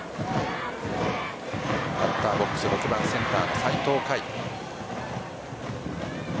バッターボックス６番センターの齊藤海。